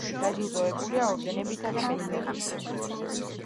დაჯილდოებულია ორდენებითა და მედლებით.